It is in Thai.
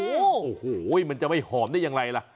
โอ้โหมันจะไม่หอมได้อย่างไรล่ะ